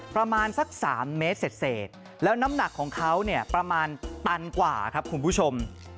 ประมาณสัก๓เมตรเสร็จแล้วน้ำหนักของเขาเนี่ยประมาณตันกว่าครับคุณผู้ชม